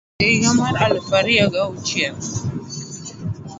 higa mar aluf ariyo gi Auchiel